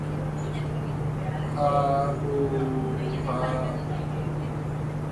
ha ku aikuaa porãngo ndarekoiha mba'érepa aporandúvo mba'eve